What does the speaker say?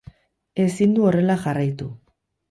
Ezin du horrela jarraitu.